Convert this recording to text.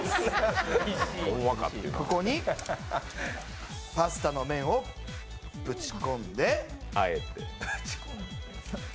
ここにパスタの麺をぶちこんで。